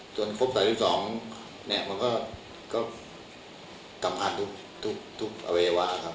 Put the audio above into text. ส่วนครบต่อที่สองมันก็กลับผ่านทุกอเววะครับ